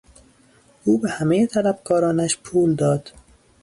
او به همهی طلبکارانش پول داد.